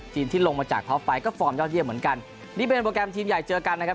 ที่ลงมาจากท็อปไฟก็ฟอร์มยอดเยี่ยมเหมือนกันนี่เป็นโปรแกรมทีมใหญ่เจอกันนะครับ